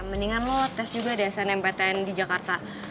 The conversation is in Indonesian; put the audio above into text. mendingan lo tes juga di snmptn di jakarta